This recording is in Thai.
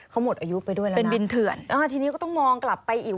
เขาหมดอายุไปด้วยแล้วนะทีนี้ก็ต้องมองกลับไปอีก